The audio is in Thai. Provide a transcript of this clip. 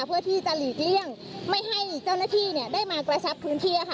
เพื่อที่จะหลีกเลี่ยงไม่ให้เจ้าหน้าที่ได้มากระชับพื้นที่ค่ะ